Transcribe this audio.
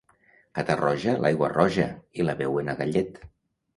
Catarroja, l'aigua roja, i la beuen a gallet.